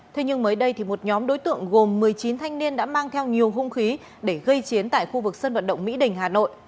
thế nhưng mới đây thì một nhóm đối tượng gồm một mươi chín thanh niên đã mang theo nhiều hung khí để gây chiến tại khu vực sân vận động mỹ đình hà nội